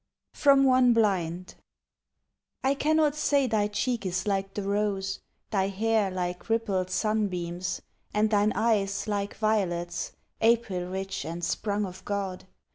FROM ONE BLIND I cannot say thy cheek is like the rose, Thy hair like rippled sunbeams, and thine eyes Like violets, April rich and sprung of God.